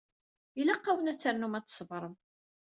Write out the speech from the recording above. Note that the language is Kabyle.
Ilaq-awen ad ternum ad tṣebrem.